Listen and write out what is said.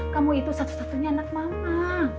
kamu itu satu satunya anak mama